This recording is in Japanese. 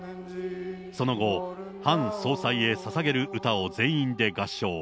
その後、ハン総裁へささげる歌を全員で合唱。